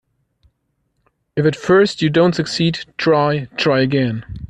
If at first you don't succeed, try, try again.